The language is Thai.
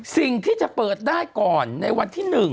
สิ่งที่จะเปิดได้ก่อนในวันที่๑